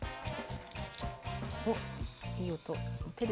おっいい音。